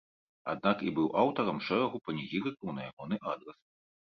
Аднак і быў аўтарам шэрагу панегірыкаў на ягоны адрас.